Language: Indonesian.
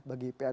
bagi pak adel